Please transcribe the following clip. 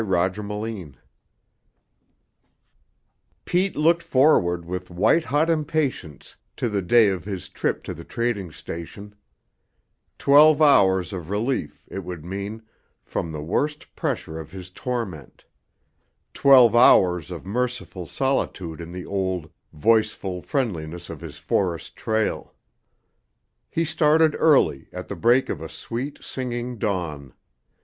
CHAPTER XIII Pete looked forward with white hot impatience to the day of his trip to the trading station; twelve hours of relief, it would mean, from the worst pressure of his torment twelve hours of merciful solitude in the old, voiceful friendliness of his forest trail. He started early, at the break of a sweet, singing dawn.